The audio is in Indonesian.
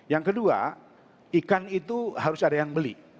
yang kedua ikan itu harus ada yang beli